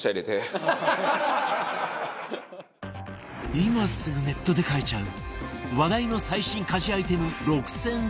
今すぐネットで買えちゃう話題の最新家事アイテム６選スペシャル